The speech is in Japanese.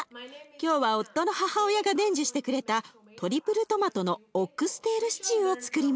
今日は夫の母親が伝授してくれたトリプルトマトのオックステールシチューをつくります。